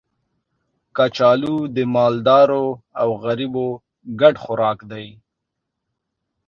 کچالو د مالدارو او غریبو ګډ خوراک دی